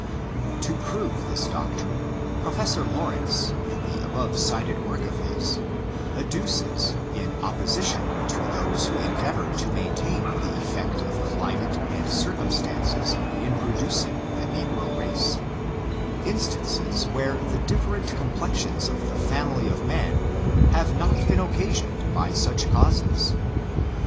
To prove this doctrine, Professor Lawrence, in the above cited work of his, adduces in opposition to those who endeavor to maintain the effect of climate and circumstances in producing the negro race, in stances where the different complexions of the fam ily of man have not been occasioned.by such causes.